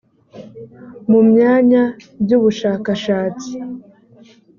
mu myanya by ubushakashatsi